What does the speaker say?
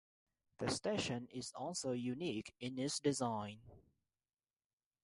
The station is also unique in its design.